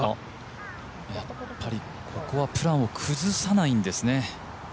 ここはプランスを崩さないんですね。